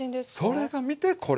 それが見てこれ。